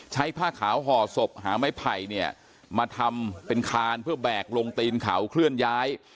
ผ้าขาวห่อศพหาไม้ไผ่เนี่ยมาทำเป็นคานเพื่อแบกลงตีนเขาเคลื่อนย้าย